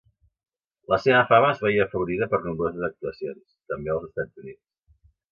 La seva fama es veié afavorida per nombroses actuacions, també als Estats Units.